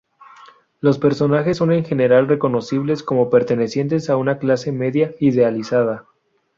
Los personajes son en general reconocibles como pertenecientes a una clase media idealizada.